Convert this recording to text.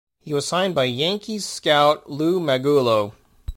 He was signed by Yankees scout Lou Maguolo.